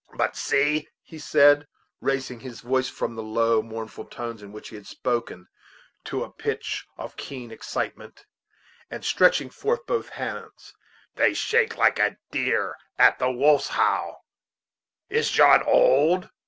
But see," he said, raising his voice from the low, mournful tones in which he had spoken to a pitch of keen excitement, and stretching forth both hands, "they shake like a deer at the wolf's howl. Is John old?